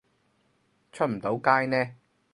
出唔到街呢